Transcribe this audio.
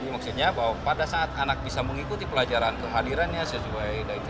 maksudnya bahwa pada saat anak bisa mengikuti pelajaran kehadirannya sesuai